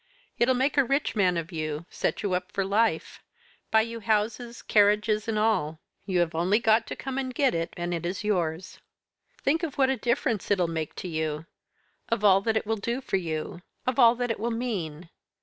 It'll make a rich man of you set you up for life, buy you houses, carriages and all. You have only got to come and get it, and it is yours. Think of what a difference it'll make to you of all that it will do for you of all that it will mean.